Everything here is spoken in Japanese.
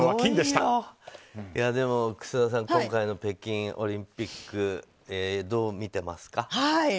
楠田さんは今大会の北京オリンピックどう見てますか？